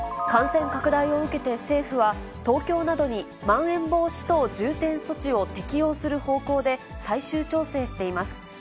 感染拡大を受けて、政府は、東京などにまん延防止等重点措置を適用する方向で最終調整しています。